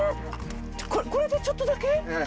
これでちょっとだけ？